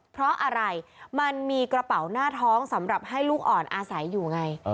เพราะอะไรมันมีกระเป๋าหน้าท้องสำหรับให้ลูกอ่อนอาศัยอยู่ไง